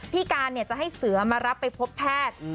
พี่การจะให้เสือมารับไปพบแพทย์